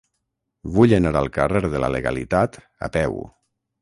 Vull anar al carrer de la Legalitat a peu.